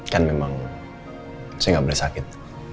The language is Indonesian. kan memang saya nggak boleh sakit